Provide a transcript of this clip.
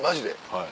はい。